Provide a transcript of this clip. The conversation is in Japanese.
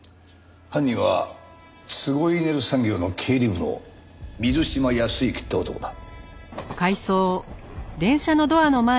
犯人はツゴイネル産業の経理部の水島泰之って男だ。